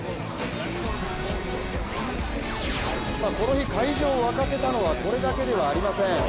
この日、会場を沸かせたのはこれだけではありません。